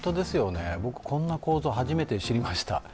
僕、こんな構造、初めて知りました。